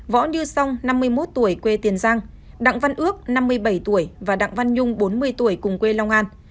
võ như song năm mươi một tuổi quê tiền giang đặng văn ước năm mươi bảy tuổi và đặng văn nhung bốn mươi tuổi cùng quê long an